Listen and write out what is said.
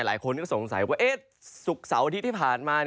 หลายคนก็สงสัยว่าศุกร์เสาร์อาทิตย์ที่ผ่านมา